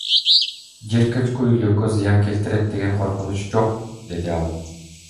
Жер көчкү үйлөргө зыян келтирет деген коркунуч жок, — деди ал.